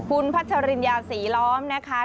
คุณพัชริญญาศรีล้อมนะคะ